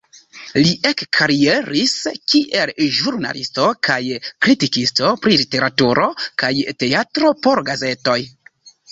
Li ekkarieris kiel ĵurnalisto kaj kritikisto pri literaturo kaj teatro por gazetoj.